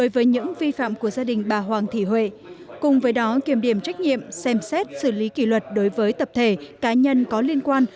với những vi phạm của gia đình bà hoàng thị huệ cùng với đó kiểm điểm trách nhiệm xem xét xử lý kỷ luật đối với tập thể cá nhân có liên quan